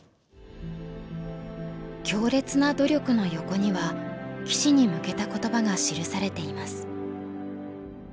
「強烈な努力」の横には棋士に向けた言葉が記されています。